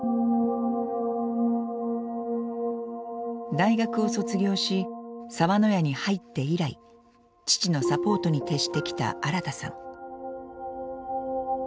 大学を卒業し澤の屋に入って以来父のサポートに徹してきた新さん。